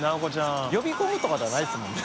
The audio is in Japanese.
きむ）呼び込むとかじゃないですもんね。